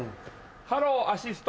ハローアシスト。